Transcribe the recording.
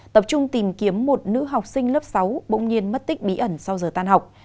tập trung tìm kiếm một nữ học sinh lớp sáu bỗng nhiên mất tích bí ẩn sau giờ tan học